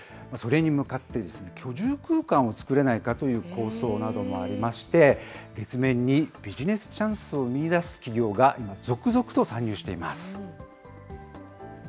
それに向かって、居住空間を作れないかという構想などもありまして、月面にビジネスチャンスを見いだす企業が今、続々と参入しています。